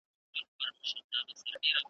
لکه نه وي پردې مځکه زېږېدلی .